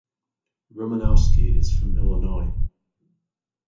Romanowski is from Illinois.